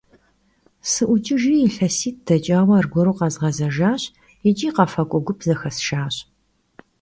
Sı'uç'ıjjri, yilhesit' deç'aue argueru khezğezejjaş yiç'i khefak'ue gup zexesşşaş.